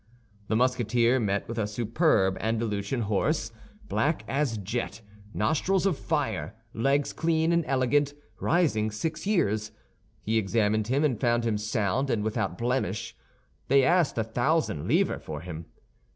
The Musketeer met with a superb Andalusian horse, black as jet, nostrils of fire, legs clean and elegant, rising six years. He examined him, and found him sound and without blemish. They asked a thousand livres for him.